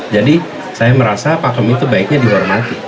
jadi saya merasa pakem itu baiknya dihormati